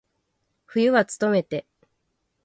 冬はつとめて。